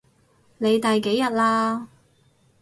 你第幾日喇？